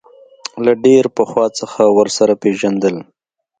له ډېر پخوا څخه ورسره پېژندل.